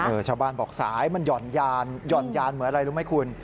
ชาวบ้านบอกสายมันหย่อนยานหย่อนยานเหมือนอะไรรู้ไหมคุณ